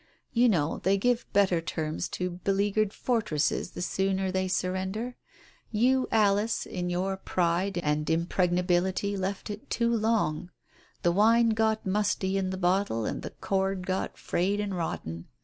You know, they give better terms to beleaguered fortresses the sooner they surrender? You, Alice, in your pride and impreg nability left it too long. The wine got musty in the bottle, the cord got frayed and rotten.